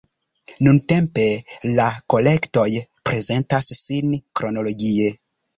Nuntempe la kolektoj prezentas sin kronologie.